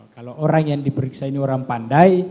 kalau orang yang diperiksa ini orang pandai